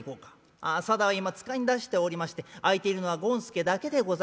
「ああ定は今使いに出しておりまして空いているのは権助だけでございます。